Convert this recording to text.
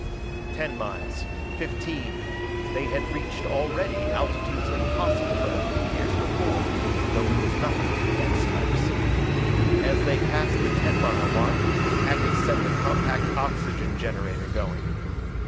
Ten miles fifteen they had reached already altitudes impossible but a few years before, though it was nothing to the X types. As they passed the ten mile mark, Hackett set the compact oxygen generator going.